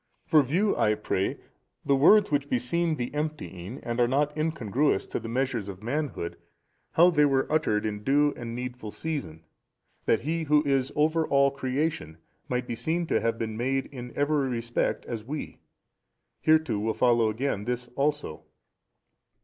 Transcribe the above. For view I pray, the words which beseem the emptying and are not incongruous to the measures of the manhood, how they were uttered in due and needful season, that He Who is over all creation might be seen to have been made in every respect as we. Hereto will follow again this also.